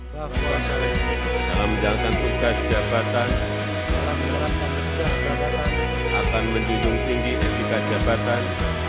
pak dalam menjalankan tugas jabatan akan menjunjung tinggi etika jabatan